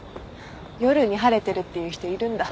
夜に「晴れてる」って言う人いるんだ。